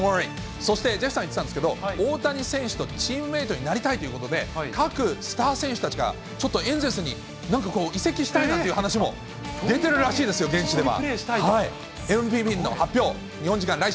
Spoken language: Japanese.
そしてジェフさん言ってたんですけど、大谷選手とチームメートになりたいということで、各スター選手たちがちょっとエンゼルスになんかこう、移籍したいなんて話も出てるらしいですよ、現地では。